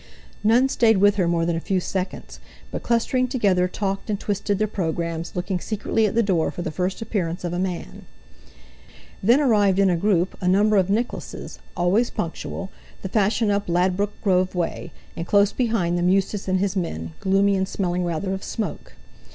None stayed with her more than a few seconds, but clustering together talked and twisted their programmes, looking secretly at the door for the first appearance of a man. Then arrived in a group a number of Nicholases, always punctual—the fashion up Ladbroke Grove way; and close behind them Eustace and his men, gloomy and smelling rather of smoke.